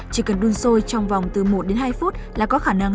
chỉ cần đun sôi trong vòng từ một đến hai phút là có khả năng